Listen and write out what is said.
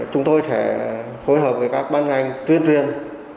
chúng tôi sẽ phối hợp với các ban ngành tuyên truyền